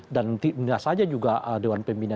dan tidak saja juga dewan pembina